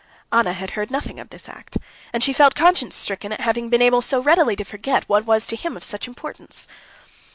Anna had heard nothing of this act, and she felt conscience stricken at having been able so readily to forget what was to him of such importance.